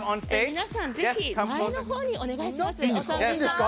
皆さんぜひ前の方にお願いします。